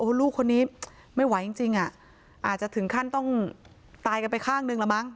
ลูกคนนี้ไม่ไหวจริงจริงอ่ะอาจจะถึงขั้นต้องตายกันไปข้างนึงละมั